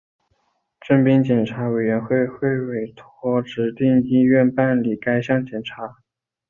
征兵检查委员会会委托指定医院办理该项检查。